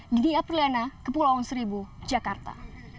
dini apriliana kepulauan seribu jakarta